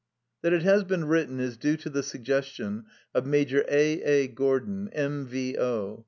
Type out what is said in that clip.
That it has been written is due to the suggestion of Major A . A. Gordon, M. V.O.